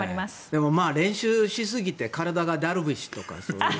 でもまあ練習しすぎて体がダルビッシュとか。